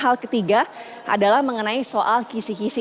hal ketiga adalah mengenai soal kisi kisi